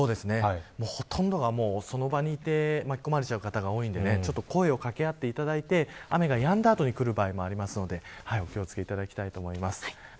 ほとんどがその場にいて巻き込まれてしまう方が多いので声を掛け合っていただいて、雨がやんだ後にくる場合もあるのでお気を付けいただきたいと思います。